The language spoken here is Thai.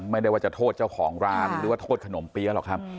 ไม่ได้ว่าจะโทษเจ้าของร้านหรือว่าโทษขนมเปี๊ยะหรอกครับ